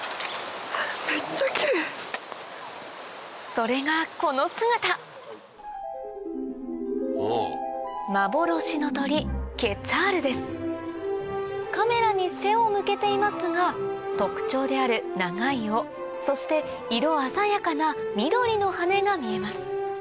それがこの姿幻の鳥カメラに背を向けていますが特徴である長い尾そして色鮮やかな緑の羽が見えます